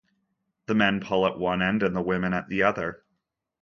The men pull at one end and women at the other.